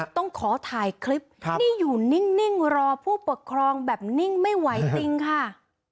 ต้องขอถ่ายคลิปนี่อยู่นิ่งรอผู้ปกครองแบบนิ่งไม่ไหวจริงค่ะ